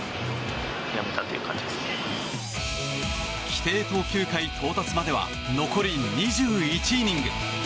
規定投球回到達までは残り２１イニング。